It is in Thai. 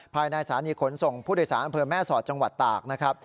ภายในศานีขนส่งผู้โดยสารอังเภยแม่ศอดจังหวัดตาก